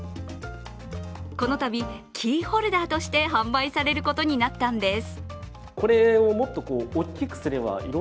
このたびキーホルダーとして販売されることになったんです。